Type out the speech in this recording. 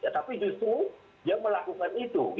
tapi justru dia melakukan itu